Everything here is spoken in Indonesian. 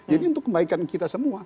jadi untuk kebaikan kita semua